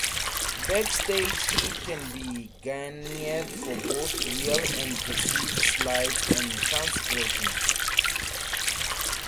Backstage heat can be garnered for both real and perceived slights and transgressions.